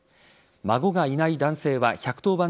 孫がいない男性は１１０番